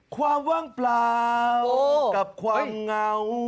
ความว่างเปล่ากับความเหงา